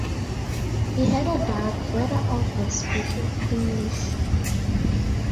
He had a doubt whether all were speaking English.